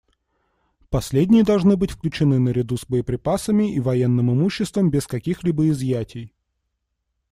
Последние должны быть включены наряду с боеприпасами и военным имуществом без каких-либо изъятий.